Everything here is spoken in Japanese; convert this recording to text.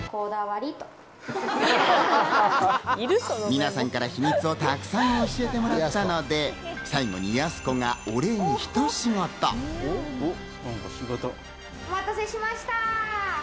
皆さんから秘密をたくさん教えてもらったので最後にやす子がお礼にひと仕事。